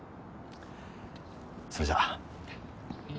それじゃ。